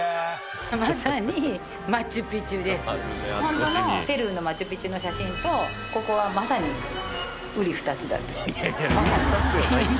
ホントのペルーのマチュピチュの写真とここはまさにうり二つだって。